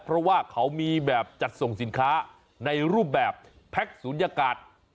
เพราะว่าเขามีแบบจัดส่งสินค้าในรูปแบบแพ็คศูนยากาศ